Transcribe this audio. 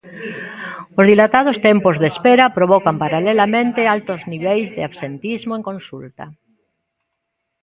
Os dilatados tempos de espera provocan, paralelamente, altos niveis de absentismo en consulta.